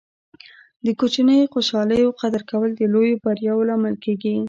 د کوچنیو خوشحالۍو قدر کول د لویو بریاوو لامل کیږي.